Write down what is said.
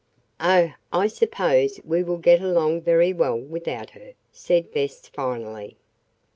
"Oh, I suppose we will get along very well without her," said Bess finally.